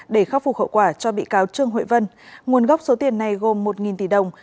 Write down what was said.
để khắc phục hậu quả cho bị cáo trương hội vân nguồn gốc số tiền này gồm một tỷ đồng